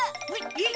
えっ？